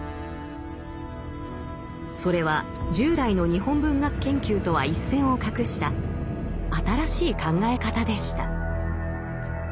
それは従来の日本文学研究とは一線を画した新しい考え方でした。